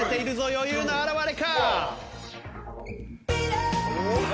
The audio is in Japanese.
余裕の表れか？